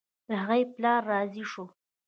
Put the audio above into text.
د هغې پلار راضي شو.